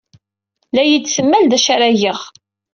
La iyi-d-temmal d acu ara geɣ.